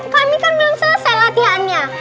kami kan belum selesai latihannya